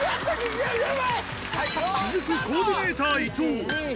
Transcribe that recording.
続く、コーディネーター、伊藤。